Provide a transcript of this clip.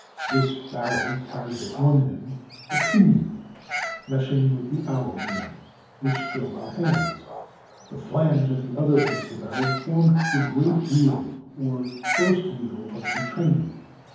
This barrel carried, at one end, a pinion, meshing with the hour wheel, which drove the hands; the flange at the other end of the barrel formed the great wheel, or first wheel of the train.